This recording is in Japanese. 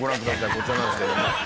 こちらなんですけども。